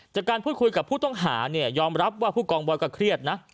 จากการพูดคุยกับผู้ต้องหายอมรับพวกกองบรกก็เครียดนะ